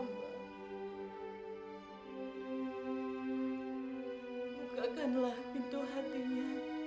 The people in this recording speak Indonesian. bukakanlah pintu hatinya